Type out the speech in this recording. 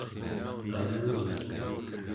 anguyak